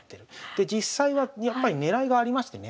で実際はやっぱり狙いがありましてね